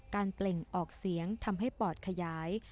เปล่งออกเสียงทำให้ปอดขยาย